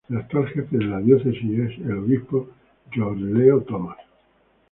El actual jefe de la Diócesis es el Obispo George Leo Thomas.